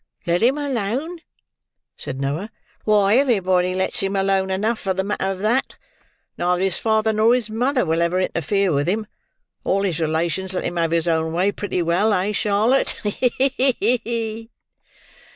"Let him alone!" said Noah. "Why everybody lets him alone enough, for the matter of that. Neither his father nor his mother will ever interfere with him. All his relations let him have his own way pretty well. Eh, Charlotte? He! he!